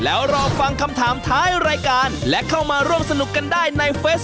แล้วรอฟังคำถามออกไป